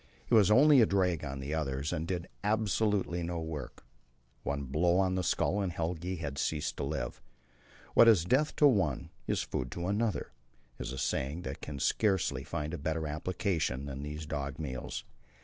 He was only a drag on the others, and did absolutely no work. One blow on the skull, and Helge had ceased to live. "What is death to one is food to another," is a saying that can scarcely find a better application than these dog meals.